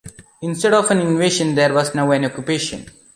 Instead of an invasion there was now an occupation.